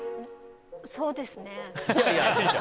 そうですね。